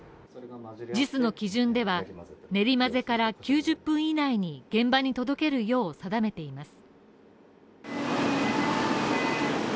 ＪＩＳの基準では練り混ぜから９０分以内に現場に届けるよう定めています